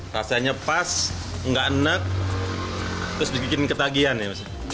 rasanya pas nggak enek terus bikin ketagihan ya